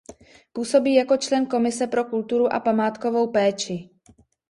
Působí jako člen Komise pro kulturu a památkovou péči.